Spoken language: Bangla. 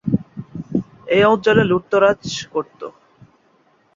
এ অঞ্চলে লুটতরাজ করতো।